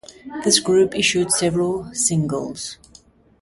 This group issued several singles.